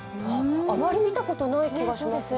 あまり見たことがない気がしますね。